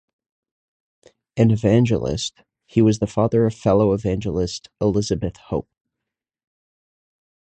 An evangelist, he was the father of fellow evangelist Elizabeth Hope.